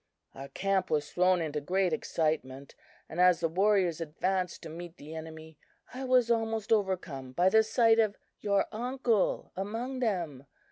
"Our camp was thrown into great excitement; and as the warriors advanced to meet the enemy, I was almost overcome by the sight of your uncle among them!